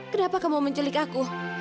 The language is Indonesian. kenapa kamu menculik aku